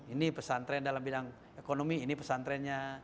ini pesantren dalam bidang ekonomi ini pesantrennya